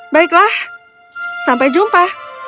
baiklah sampai jumpa